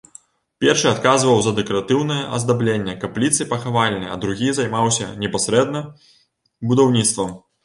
Першы адказваў за дэкаратыўнае аздабленне капліцы-пахавальні, а другі займаўся непасрэдна будаўніцтвам.